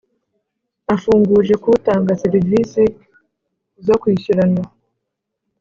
afunguje k utanga serivisi zo kwishyurana